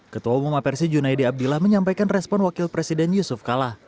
ketua umum apersi junaidi abdillah menyampaikan respon wakil presiden yusuf kala